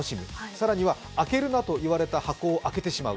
更には、開けるなと言われた箱を開けてしまう。